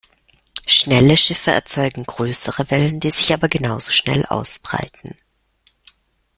Schnelle Schiffe erzeugen größere Wellen, die sich aber genauso schnell ausbreiten.